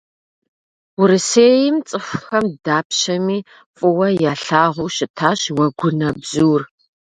Урысейм цӏыхухэм дапщэми фӏыуэ ялъагъуу щытащ уэгунэбзур.